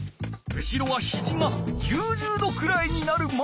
後ろはひじが９０度くらいになるまで。